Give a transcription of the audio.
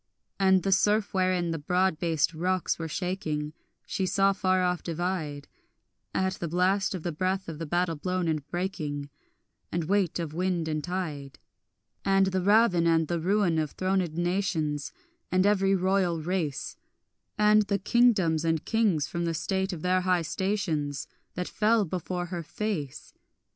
And the surf wherein the broad based rocks were shaking She saw far off divide, At the blast of the breath of the battle blown and breaking, And weight of wind and tide; And the ravin and the ruin of thronèd nations And every royal race, And the kingdoms and kings from the state of their high stations That fell before her face.